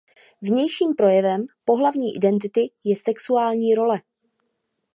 Vnějším projevem pohlavní identity je "sexuální role".